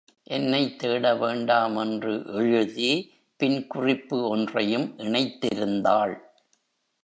என்னைத் தேட வேண்டாம், என்று எழுதி, பின் குறிப்பு ஒன்றையும் இணைத்திருந்தாள்.